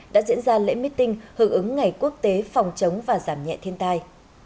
đã diễn ra lễ meeting hưởng ứng ngày quốc tế phòng chống và giảm nhẹ thiên tai